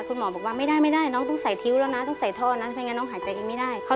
ทุกวันนี้ที่ทำให้มีพลังได้ก็เพราะว่ามีเด็กได้กอด